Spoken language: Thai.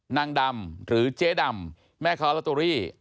นางดำหรือเจ๊ดำแม่ค้าลอตเตอรี่